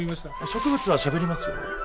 植物はしゃべりますよ。